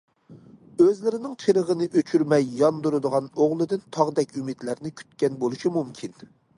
ئۆزلىرىنىڭ چىرىغىنى ئۆچۈرمەي ياندۇرىدىغان ئوغلىدىن تاغدەك ئۈمىدلەرنى كۈتكەن بولۇشى مۇمكىن.